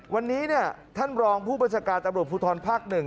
วันนี้ท่านรองผู้บัญชาการตำรวจภูทรภาค๑